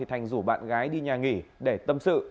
thành rủ bạn gái đi nhà nghỉ để tâm sự